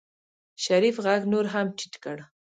شريف غږ نور هم ټيټ کړ.